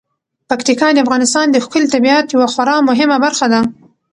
پکتیکا د افغانستان د ښکلي طبیعت یوه خورا مهمه برخه ده.